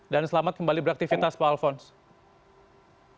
dan selamat kembali beraktifitas pak alphonse